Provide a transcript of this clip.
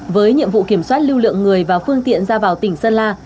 với nhiệm vụ kiểm soát lưu lượng người và phương tiện ra vào tỉnh sơn la